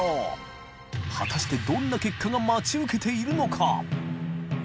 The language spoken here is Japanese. どんな結果が待ち受けているのか？